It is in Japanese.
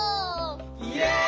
イエイ！